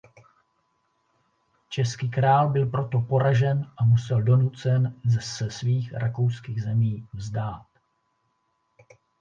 Český král byl proto poražen a musel donucen se svých rakouských zemí vzdát.